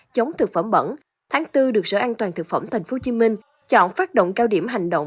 chống thực phẩm bẩn tháng bốn được sở an toàn thực phẩm tp hcm chọn phát động cao điểm hành động